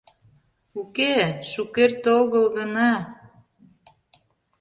Уке, шукерте огыл гына...